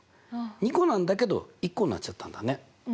２個なんだけど１個になっちゃったんだね。